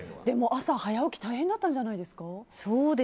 朝、早起き大変だったんじゃないですか？